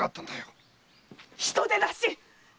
人でなし！